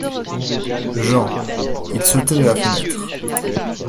JEAN : Il sautait de la fenêtre.